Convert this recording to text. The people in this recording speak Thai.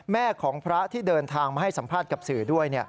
แม่ของพระที่เดินทางมาให้สัมภาษณ์กับสื่อด้วย